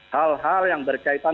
hal hal yang berkaitan